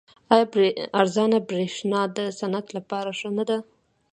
آیا ارزانه بریښنا د صنعت لپاره ښه نه ده؟